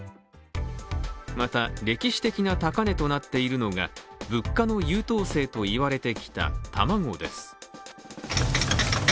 また、歴史的な高値となっているのが物価の優等生といわれていた卵です。